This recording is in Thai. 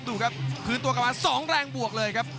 ดูครับคืนตัวกลับมา๒แรงบวกเลยครับ